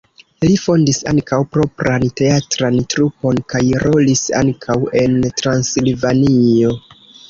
Li fondis ankaŭ propran teatran trupon kaj rolis ankaŭ en Transilvanio.